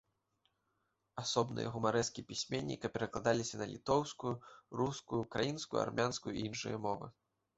Асобныя гумарэскі пісьменніка перакладаліся на літоўскую, рускую, украінскую, армянскую і іншыя мовы.